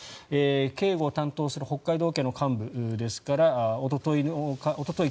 警護を担当する北海道警の幹部おととい